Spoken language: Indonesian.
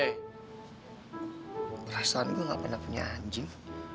perasaan gue gak pernah punya anjing